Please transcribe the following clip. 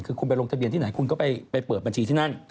คือคุณไปลงทะเบียนที่ไหนคุณก็ไปเปิดบัญชีที่นั่น